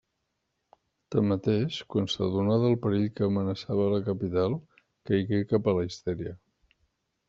Tanmateix, quan s'adonà del perill que amenaçava la capital caigué cap a la histèria.